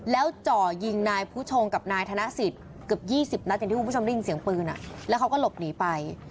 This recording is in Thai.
แล้วจ่อยิงนายผู้ชงกับนายธนสิทธิ์เกือบ๒๐นัดอย่างที่คุณผู้ชมได้ยินเสียงปืนแล้วเขาก็หลบหนีไป